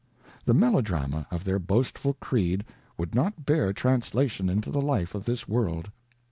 The melodrama of their boastful creed would not bear translation into the life of this world.